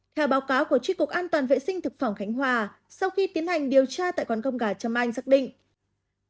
theo báo cáo của tri cục an toàn vệ sinh thực phẩm khánh hòa sau khi tiến hành điều tra tại quán cơm gà trâm anh xác định